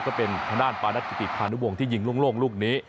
ก็เป็นทางด้านปานักกิติพานุวงศ์ที่ยิงโล่งลูกนี้